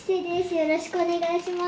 よろしくお願いします。